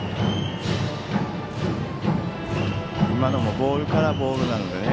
今のボールからボールなのでね。